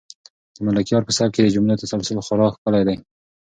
د ملکیار په سبک کې د جملو تسلسل خورا ښکلی دی.